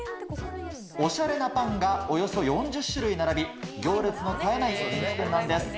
おしゃれなパンがおよそ４０種類並び、行列の絶えない人気店なんです。